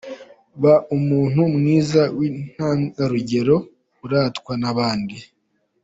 Ba umuntu mwiza w’intangarugero uratwa n’abandi.